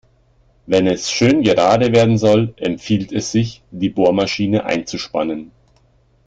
Wenn es schön gerade werden soll, empfiehlt es sich, die Bohrmaschine einzuspannen.